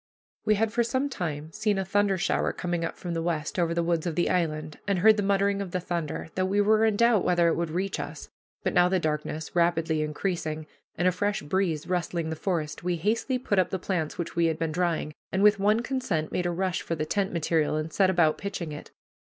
We had for some time seen a thunder shower coming up from the west over the woods of the island, and heard the muttering of the thunder, though we were in doubt whether it would reach us; but now the darkness rapidly increasing, and a fresh breeze rustling the forest, we hastily put up the plants which we had been drying, and with one consent made a rush for the tent material and set about pitching it.